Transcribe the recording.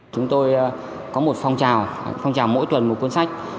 chúng tôi có một phong trào phong trào mỗi tuần một cuốn sách